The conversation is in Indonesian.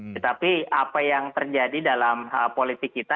tetapi apa yang terjadi dalam politik kita